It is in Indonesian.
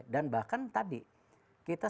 dan bahkan tadi kita